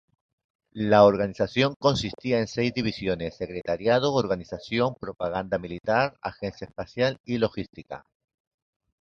La organización consistía en seis divisiones: secretariado, organización, propaganda, militar, agencia especial y logística.